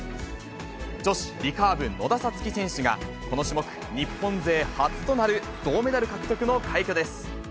女子リカーブ、野田紗月選手が、この種目、日本勢初となる銅メダル獲得の快挙です。